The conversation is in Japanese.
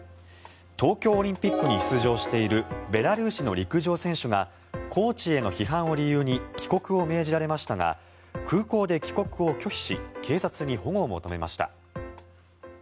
東京オリンピックに出場しているベラルーシの陸上選手がコーチへの批判を理由に帰国を命じられましたが空港で帰国を拒否し警察に保護を求めました。